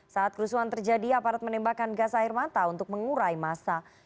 saat kerusuhan terjadi aparat menembakkan gas air mata untuk mengurai massa